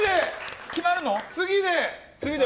次で！